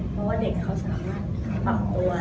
เพราะว่าเด็กเขาสามารถปรับตัว